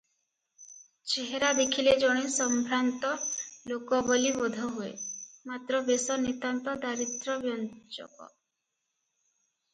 ଚେହେରା ଦେଖିଲେ ଜଣେ ସମ୍ଭ୍ରାନ୍ତ ଲୋକ ବୋଲି ବୋଧ ହୁଏ; ମାତ୍ର ବେଶ ନିତାନ୍ତ ଦାରିଦ୍ର୍ୟବ୍ୟଞ୍ଜକ ।